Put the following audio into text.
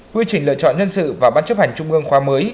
quy trình lựa chọn nhân sự vào ban chấp hành trung ương khoa mới